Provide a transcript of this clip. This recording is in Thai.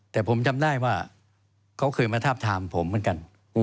แต่ผมจำได้ว่าเขาเคยมาทาบทามผมเหมือนกัน